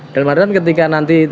dalam adanya ketika nanti